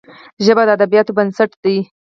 ژبه د ادبياتو بنسټ ده